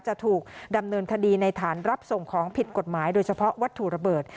จะถูกดำเนินคดีในฐานรับส่งของผิดกฎหมายโดยเฉพาะวัตถุระเบิด